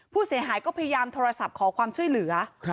ผู้เสียหายก็พยายามโทรศัพท์ขอความช่วยเหลือ